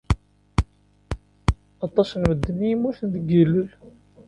Aṭas n medden i yemmuten deg yillel.